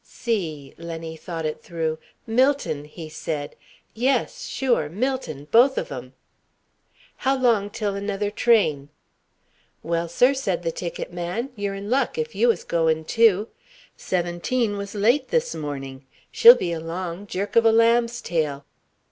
"See." Lenny thought it through. "Millton," he said. "Yes, sure. Millton. Both of 'em." "How long till another train?" "Well, sir," said the ticket man, "you're in luck, if you was goin' too. Seventeen was late this morning she'll be along, jerk of a lamb's tail."